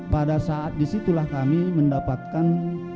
pada saat disitulah kami mendapatkan